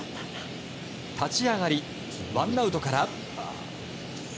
立ち上がり、ワンアウトから。